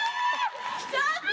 ちょっと！